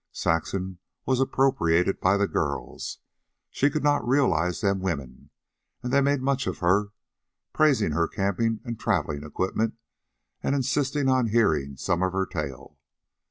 Saxon was appropriated by the girls she could not realize them women; and they made much of her, praising her camping and traveling equipment and insisting on hearing some of her tale.